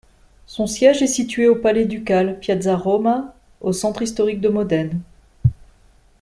Son siège est situé au Palais ducal, piazza Roma, au centre historique de Modène.